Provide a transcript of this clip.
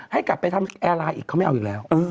ให้กลับไปทำแอร์ไลน์อีกเขาไม่เอาอีกแล้ว